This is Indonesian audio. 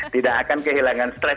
tidak akan kehilangan stres